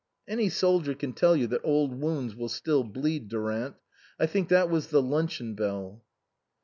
"Any soldier can tell you that old wounds will still bleed, Durant. I think that was the luncheon bell."